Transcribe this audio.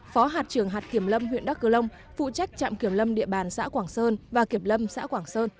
phó hạt trưởng hạt kiểm lâm huyện đắk cơ long phụ trách trạm kiểm lâm địa bàn xã quảng sơn và kiểm lâm xã quảng sơn